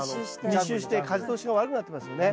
密集して風通しが悪くなってますよね。